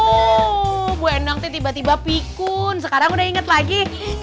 oh bu endang tuh tiba tiba pikun sekarang udah inget lagi